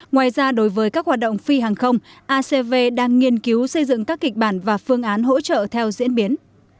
ngoài ra đối với các hoạt động phi hàng không acv đang nghiên cứu xây dựng các kịch bản và phương án hỗ trợ theo diễn biến